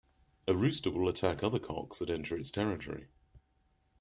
A rooster will attack other cocks that enter its territory.